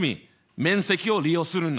面積を利用するの。